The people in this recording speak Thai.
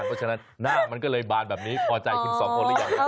เพราะฉะนั้นหน้ามันก็เลยบานแบบนี้พอใจคุณสองคนหรือยัง